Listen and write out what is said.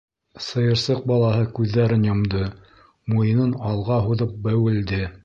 Сыйырсыҡ балаһы күҙҙәрен йомдо, муйынын алға һуҙып бәүелде.